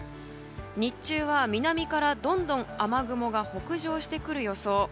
日中は南から、どんどん雨雲が北上してくる予想。